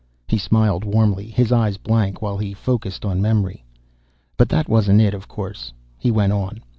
He smiled warmly, his eyes blank while he focused on memory. "But that wasn't it, of course," he went on.